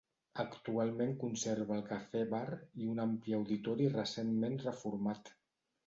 Actualment conserva el cafè-bar i un ampli auditori recentment reformat.